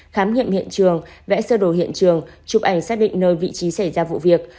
khám nghiệm hiện trường vẽ sơ đồ hiện trường chụp ảnh xác định nơi vị trí xảy ra vụ việc